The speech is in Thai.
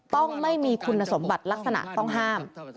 ต้องไม่มีคุณสมบัติลักษณะต้องห้าม